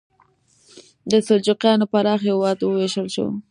د سلجوقیانو پراخ هېواد وویشل شو.